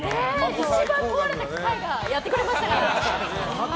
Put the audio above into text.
一番壊れた機械がやってくれました。